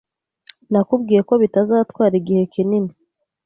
Nakubwiye ko bitazatwara igihe kinini.